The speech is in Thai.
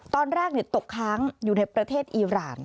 ตอนแรกตกค้างอยู่ในประเทศอีราน